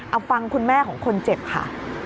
เอาฟังคุณแม่ของคนเจ็บค่ะ